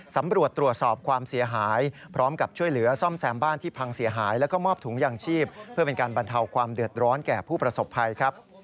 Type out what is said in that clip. สำรวจตรวจสอบความเสียหายพร้อมกับช่วยเหลือซ่อมแซมบ้านที่พังเสียหายแล้วก็มอบถุงยางชีพเพื่อเป็นการบรรเทาความเดือดร้อนแก่ผู้ประสบภัยครับ